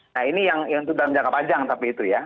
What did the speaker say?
nah ini yang dalam jangka panjang tapi itu ya